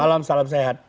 selamat malam salam sehat